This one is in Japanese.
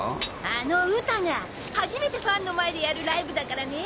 あのウタが初めてファンの前でやるライブだからね。